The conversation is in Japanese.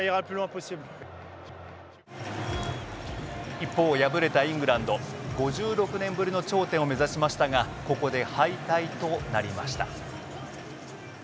一方、敗れたイングランド５６年ぶりの頂点を目指しましたがここで敗退となりました。